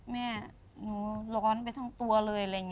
แม่หนูร้อนไปทั้งตัวเลย